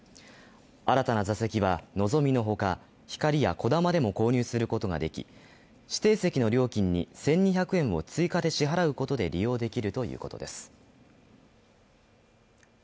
新たな座席はのぞみのほかひかりやこだまでも購入することができ指定席の料金に１２００円を追加で支払うことで利用できるということです。